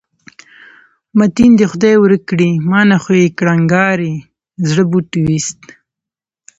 متین دې خدای ورک کړي، ما نه خو یې کړنګاري زړه بوټ وویست.